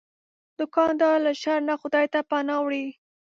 دوکاندار له شر نه خدای ته پناه وړي.